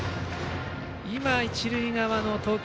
一塁側の投球